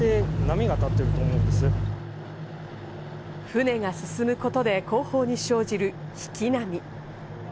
船が進むことで後方に生じる引き波。